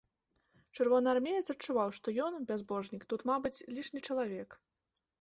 Чырвонаармеец адчуваў, што ён, бязбожнік, тут, мабыць, лішні чалавек.